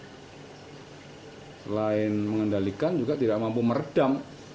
selain mengendalikan juga tidak mampu meredam